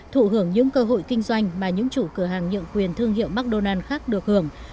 thụ hưởng những cơ hội kinh doanh mà những chủ cửa hàng nhượng quyền thương hiệu mcdonald s khác được hưởng